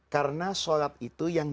karena sholat itu yang